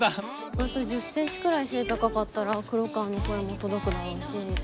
あと１０ｃｍくらい背高かったら黒川の声も届くだろうし。